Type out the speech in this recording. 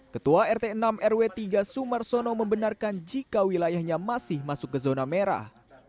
ketua rt enam rw tiga sumarsono membenarkan jika wilayahnya masih masuk ke zona merah